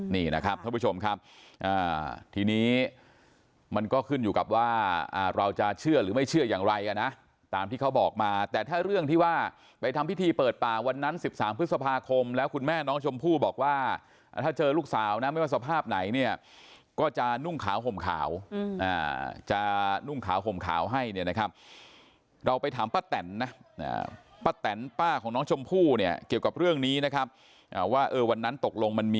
นี่นะครับทุกผู้ชมครับทีนี้มันก็ขึ้นอยู่กับว่าเราจะเชื่อหรือไม่เชื่ออย่างไรนะตามที่เขาบอกมาแต่ถ้าเรื่องที่ว่าไปทำพิธีเปิดป่าวันนั้น๑๓พฤษภาคมแล้วคุณแม่น้องชมพู่บอกว่าถ้าเจอลูกสาวนะไม่ว่าสภาพไหนเนี่ยก็จะนุ่งขาห่มขาวจะนุ่งขาห่มขาวให้เนี่ยนะครับเราไปถามป้าแต่นนะป้าแต่นป้าของน